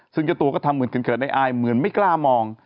ซึ่งตัวก็ทำเหมือนเขินเขินได้อายเหมือนไม่กล้ามอง